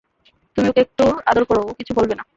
তুমি ওকে একটু আদর করো, ও কিছু বলবে না।